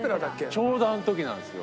ちょうどあの時なんですよ。